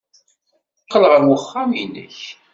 Qqel ɣer uxxam-nnek.